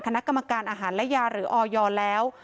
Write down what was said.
คณะกรรมการอาหารและยาหรือออยแล้ว